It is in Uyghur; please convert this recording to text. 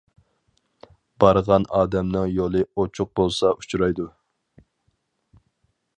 بارغان ئادەمنىڭ يولى ئوچۇق بولسا ئۇچرايدۇ.